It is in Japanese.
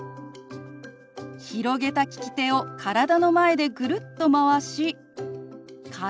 広げた利き手を体の前でぐるっとまわし「体」。